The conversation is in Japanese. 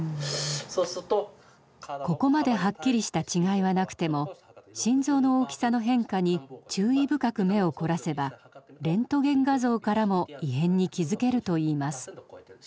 ここまではっきりした違いはなくても心臓の大きさの変化に注意深く目を凝らせばレントゲン画像からも異変に気づけるといいます。